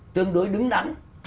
tương đối đứng đắn